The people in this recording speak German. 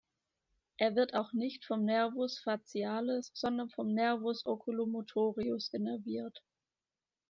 Er wird auch nicht vom Nervus facialis, sondern vom Nervus oculomotorius innerviert.